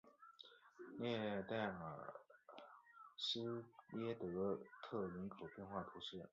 列代尔施耶德特人口变化图示